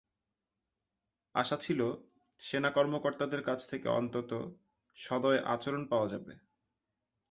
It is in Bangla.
আশা ছিল, সেনা কর্মকর্তাদের কাছ থেকে অন্তত সদয় আচরণ পাওয়া যাবে।